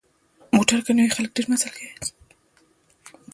موټر که نه وي، خلک ډېر مزل کوي.